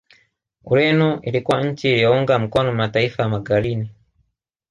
Ureno ilikuwa nchi iliyounga mkono mataifa ya Magharini